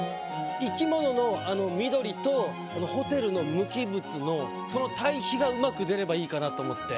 生き物の緑とホテルの無機物のその対比が上手く出ればいいかなと思って。